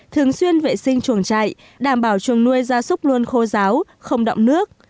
thường xuyên vệ sinh chuồng trại đảm bảo chuồng nuôi gia súc luôn khô giáo không đọng nước